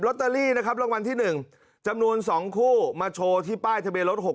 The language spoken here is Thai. ตเตอรี่นะครับรางวัลที่๑จำนวน๒คู่มาโชว์ที่ป้ายทะเบียนรถ๖๖